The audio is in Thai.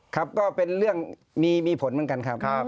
ครับก็เป็นเรื่องมีผลเหมือนกันครับ